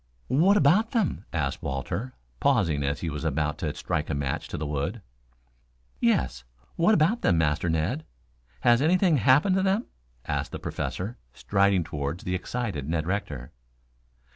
"What about them?" asked Walter, pausing as he was about to strike a match to the wood. "Yes, what of them, Master Ned? Has anything happened to them?" asked the Professor, striding toward the excited Ned Rector.